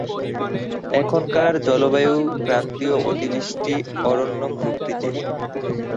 এখানকার জলবায়ু ক্রান্তীয় অতিবৃষ্টি অরণ্য প্রকৃতির।